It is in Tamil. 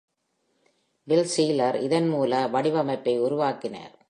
Bill Seiler இதன் மூல வடிவமைப்பை உருவாக்கினார்.